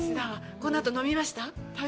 このあと飲みました？